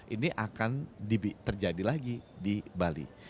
ini akan terjadi lagi di bali